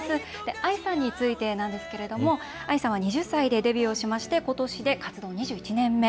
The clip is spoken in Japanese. ＡＩさんについてなんですけれども、ＡＩさんは２０歳でデビューをしまして、活動２１年目。